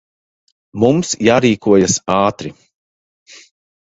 Mums jārīkojas ātri.